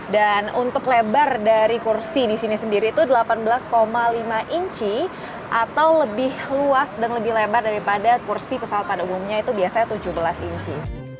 dan untuk lebar dari kursi disini sendiri itu delapan belas lima inci atau lebih luas dan lebih lebar daripada kursi pesawat pada umumnya itu biasanya tujuh belas inci